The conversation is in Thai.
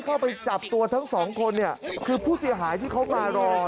เข้าไปจับตัวทั้งสองคนเนี่ยคือผู้เสียหายที่เขามารอ